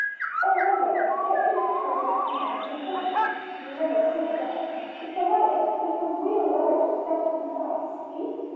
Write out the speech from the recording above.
"Oh, mother! what do you suppose Ellen found in the turkey? You never could guess. It's a letter yes, a real letter just stuffed inside see!"